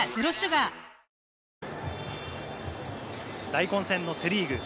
大混戦のセ・リーグ。